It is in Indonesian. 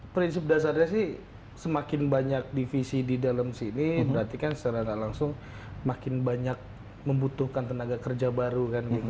prinsip dasarnya sih semakin banyak divisi di dalam sini berarti kan secara tidak langsung makin banyak membutuhkan tenaga kerja baru